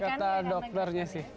kata dokternya sih